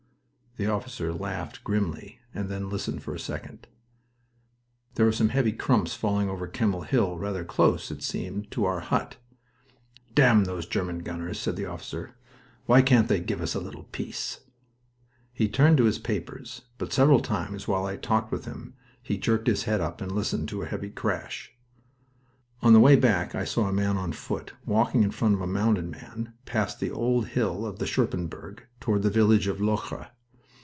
The officer laughed grimly, and then listened for a second. There were some heavy crumps falling over Kemmel Hill, rather close, it seemed, to our wooden hut. "Damn those German gunners" said the officer. "Why can't they give us a little peace?" He turned to his papers, but several times while I talked with him he jerked his head up and listened to a heavy crash. On the way back I saw a man on foot, walking in front of a mounted man, past the old hill of the Scherpenberg, toward the village of Locre.